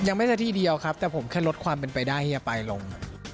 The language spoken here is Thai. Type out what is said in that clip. ยังไม่ได้ที่เดียวครับแต่ผมแค่ลดความเป็นไปได้ที่จะไปลง